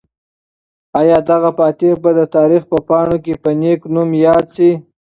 آیا دغه فاتح به د تاریخ په پاڼو کې په نېک نوم یاد شي؟